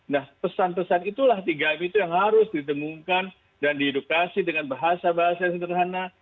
nah pesan pesan itulah tiga m itu yang harus didengungkan dan diedukasi dengan bahasa bahasa yang sederhana